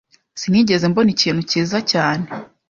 Sinigeze mbona ikintu cyiza cyane.